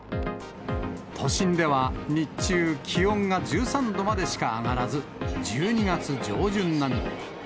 都心では日中、気温が１３度までしか上がらず、１２月上旬並み。